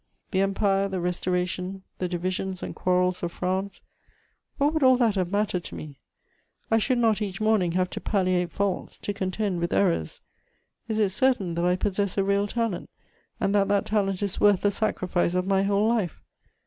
The Empire, the Restoration, the divisions and quarrels of France: what would all that have mattered to me? I should not each morning have to palliate faults, to contend with errors. Is it certain that I possess a real talent, and that that talent is worth the sacrifice of my whole life?